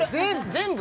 全部？